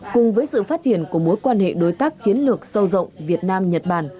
cùng với sự phát triển của mối quan hệ đối tác chiến lược sâu rộng việt nam nhật bản